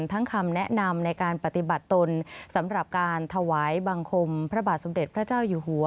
คำแนะนำในการปฏิบัติตนสำหรับการถวายบังคมพระบาทสมเด็จพระเจ้าอยู่หัว